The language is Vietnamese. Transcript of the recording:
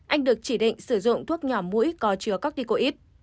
anh được chỉ định sử dụng thuốc nhỏ mũi có chứa cardicoid